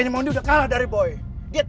mereka masih sibuk